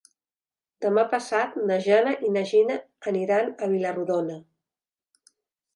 Demà passat na Jana i na Gina iran a Vila-rodona.